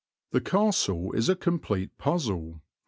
The castle is a complete puzzle.